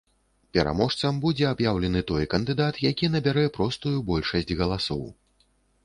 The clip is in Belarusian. Пераможцам будзе аб'яўлены той кандыдат, які набярэ простую большасць галасоў.